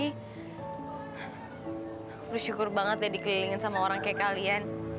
aku bersyukur banget ya dikelilingin sama orang kayak kalian